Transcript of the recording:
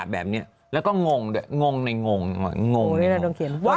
เป็นกิ๊กของป๊อก